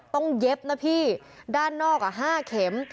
ต้องเย็บนะพี่ด้านนอกอ่ะห้าเข็ม